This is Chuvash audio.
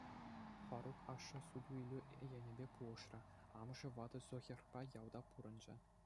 Фарук ашшӗ суту-илӳ енӗпе пулӑшрӗ, амӑшӗ ватӑ Зохерпа ялта пурӑнчӗ.